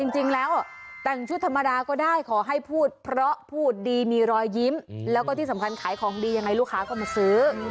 จริงแล้วแต่งชุดธรรมดาก็ได้ขอให้พูดเพราะพูดดีมีรอยยิ้มแล้วก็ที่สำคัญขายของดียังไงลูกค้าก็มาซื้อ